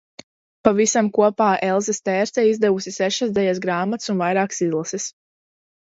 Pavisam kopā Elza Stērste izdevusi sešas dzejas grāmatas un vairākas izlases.